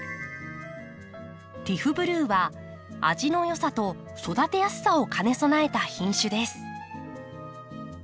ティフブルーは味の良さと育てやすさを兼ね備えた品種です。